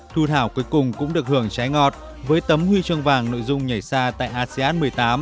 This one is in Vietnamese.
thu thảo cuối cùng cũng được hưởng trái ngọt với tấm huy chương vàng nội dung nhảy xa tại asean một mươi tám